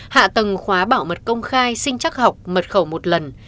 hạ tầng khóa bảo mật công khai sinh chắc học mật khẩu một lần